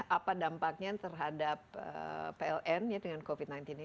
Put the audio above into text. apa dampaknya terhadap pln dengan covid sembilan belas ini